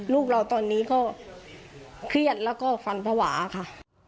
ลูกเราตอนนี้ก็เครียดแล้วก็ฟันภาวะค่ะ